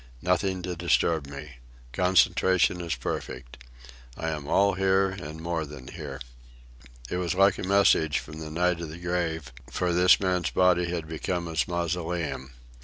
Nothing to disturb me. Concentration is perfect. I am all here and more than here." It was like a message from the night of the grave; for this man's body had become his mausoleum.